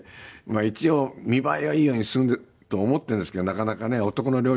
一応見栄えはいいようにと思ってるんですけどなかなかね男の料理なので。